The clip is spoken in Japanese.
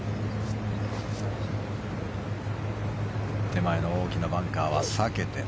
手前の大きなバンカーは避けて。